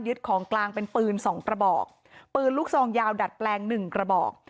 ของกลางเป็นปืนสองกระบอกปืนลูกซองยาวดัดแปลงหนึ่งกระบอก